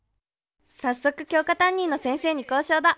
早速教科担任の先生に交渉だ。